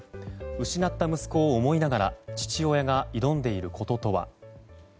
失った息子を思いながら父親が挑んでいることとは。